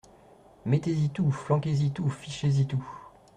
Mettez-y tout, flanquez-y tout, fichez-y tout.